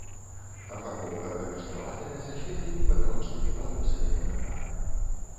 Афарбоўка карычняватая са светлымі папярочнымі палосамі на нагах.